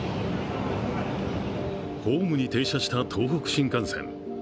ホームに停車した東北新幹線。